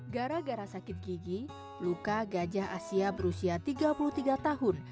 gara gara sakit gigi luka gajah asia berusia tiga puluh tiga tahun